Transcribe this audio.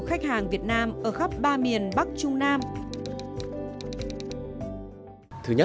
các khách hàng việt nam ở khắp ba miền bắc trung nam